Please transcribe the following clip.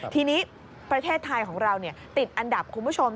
ทีนี้ประเทศไทยของเราติดอันดับคุณผู้ชม